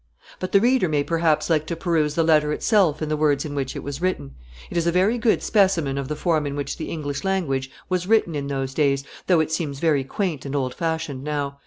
But the reader may perhaps like to peruse the letter itself in the words in which it was written. It is a very good specimen of the form in which the English language was written in those days, though it seems very quaint and old fashioned now.